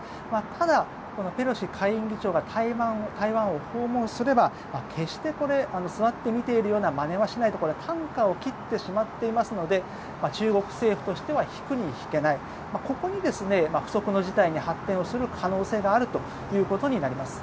ただ、ペロシ下院議長が台湾を訪問すれば決して座って見ているような真似はしないとたんかを切ってしまっていますので中国政府としては引くに引けないここに不測の事態に発展する可能性があるということになります。